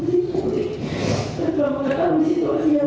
tetapi ketika mengatau situasi yang